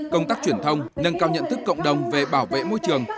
công tác truyền thông nâng cao nhận thức cộng đồng về bảo vệ môi trường